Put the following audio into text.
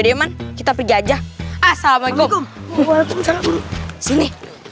diaman kita pergi aja assalamualaikum sini